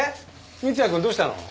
三ツ矢くんどうしたの？